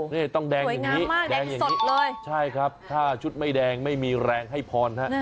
นี่ต้องแดงอย่างนี้แดงอย่างนี้เลยใช่ครับถ้าชุดไม่แดงไม่มีแรงให้พรฮะ